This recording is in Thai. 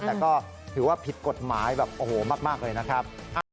แต่ก็ถือว่าผิดกฎหมายแบบโอ้โหมากเลยนะครับ